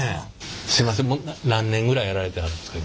すいません何年ぐらいやられてはるんですか？